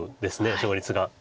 勝率が。